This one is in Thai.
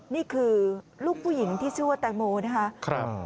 นี่คือลูกผู้หญิงที่ชื่อว่าแตงโมนะครับ